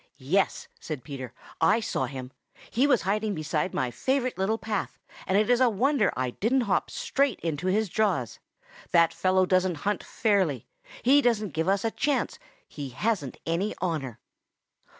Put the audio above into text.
"Yes," said Peter, "I saw him. He was hiding beside my favorite little path, and it is a wonder I didn't hop straight into his jaws. That fellow doesn't hunt fairly. He doesn't give us a chance. He hasn't any honor."